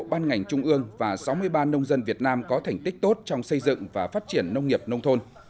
ban ngành trung ương và sáu mươi ba nông dân việt nam có thành tích tốt trong xây dựng và phát triển nông nghiệp nông thôn